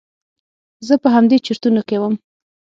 زه په همدې چرتونو کې وم.